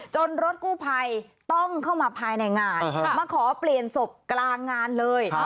รถกู้ภัยต้องเข้ามาภายในงานมาขอเปลี่ยนศพกลางงานเลย